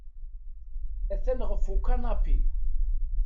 Atan ɣef ukanapi.